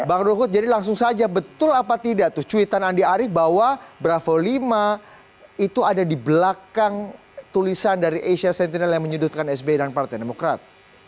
bang ruhut jadi langsung saja betul apa tidak tuh cuitan andi arief bahwa bravo lima itu ada di belakang tulisan dari asia sentinel yang menyudutkan sby dan partai demokrat